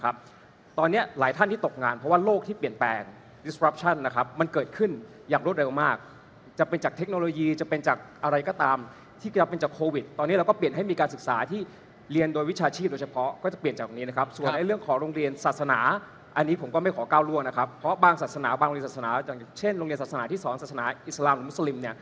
บางศาสนาบางโรงเรียนศาสนาอย่างเช่นโรงเรียนศาสนาที่สอนศาสนาอิสลามหรือมุสลิม